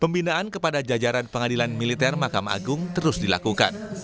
pembinaan kepada jajaran pengadilan militer mahkamah agung terus dilakukan